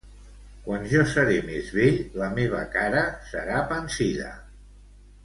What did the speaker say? Quan jo seré més vell, la meva cara serà pansida.